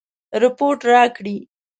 رپوټ راکړي.